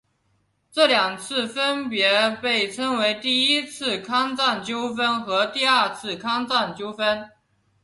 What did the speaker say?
这两次分别被称为第一次康藏纠纷和第二次康藏纠纷。